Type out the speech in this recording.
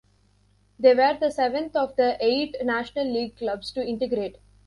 They were the seventh of the eight National League clubs to integrate.